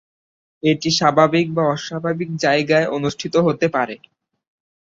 এটি স্বাভাবিক বা অস্বাভাবিক জায়গায় অনুষ্ঠিত হতে পারে।